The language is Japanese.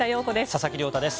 佐々木亮太です。